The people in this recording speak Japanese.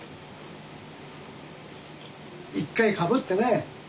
一回かぶってね。